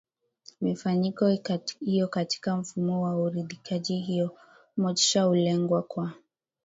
mifanyiko hiyo katika mfumo wa uridhikaji hiyo motisha hulengwa kwa